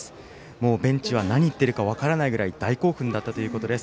もうベンチは何を言っているか分からないくらい大興奮だったということです。